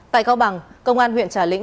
tại cao bằng công an huyện trà lĩnh